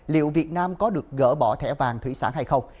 liệu việt nam có được gỡ bỏ thẻ vàng thủy sản hay không